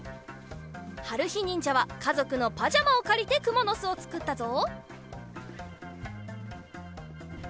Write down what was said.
はるひにんじゃはかぞくのパジャマをかりてくものすをつくったぞ。